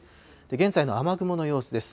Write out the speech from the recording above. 現在の雨雲の様子です。